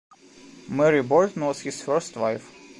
Mary Borden was his first wife.